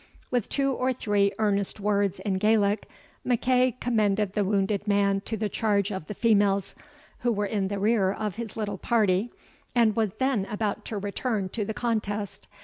With two or three earnest words in Gaelic, MacEagh commended the wounded man to the charge of the females, who were in the rear of his little party, and was then about to return to the contest.